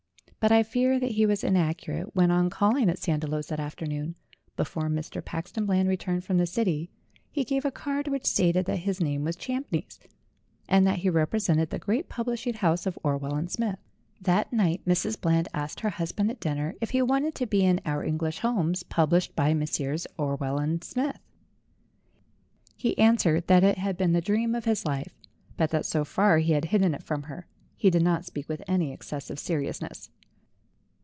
But I fear that he was inaccurate when, on calling at Sandiloes that afternoon, before Mr. Paxton Bland returned from the City, he gave a card which stated that his name was Champneys, and that he represented the great publishing house of Orwell and Smith. That night Mrs. Bland asked her husband at dinner if he wanted to be in "Our English Homes," published by Messrs. Orwell and Smith. He answered that it had been the dream of his life, but that so far he had hidden it from her; he did not speak with any exces sive seriousness.